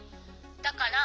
だから」。